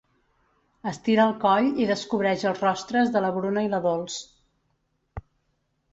Estira el coll i descobreix els rostres de la Bruna i la Dols.